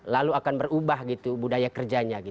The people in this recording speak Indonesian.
lalu akan berubah gitu budaya kerjanya